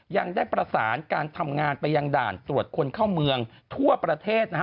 ยังได้ประสานการทำงานไปยังด่านตรวจคนเข้าเมืองทั่วประเทศนะฮะ